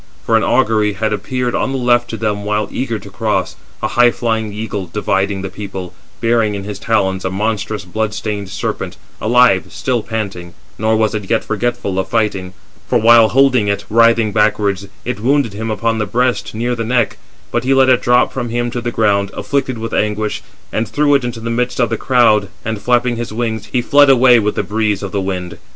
For an augury had appeared on the left to them while eager to cross, a high flying eagle dividing the people, 400 bearing in his talons a monstrous blood stained serpent, alive, still panting; nor was it yet forgetful of fighting; for, while holding it, writhing backwards, it wounded him upon the breast near the neck; but he let it drop from him to the ground, afflicted with anguish, and threw it into the midst of the crowd, and, flapping his wings, he fled away with the breeze of the wind.